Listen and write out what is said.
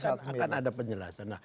nanti akan ada penjelasan